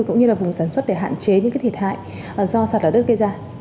cũng như là vùng sản xuất để hạn chế những cái thiệt hại do sạt lở đất gây ra